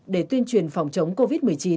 để tuyên truyền phòng chống covid một mươi chín